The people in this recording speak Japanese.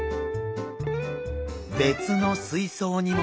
別の水槽にも。